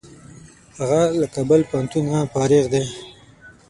هغه له کابل پوهنتونه فارغ دی.